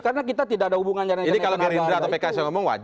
karena kita tidak ada hubungan dengan pnm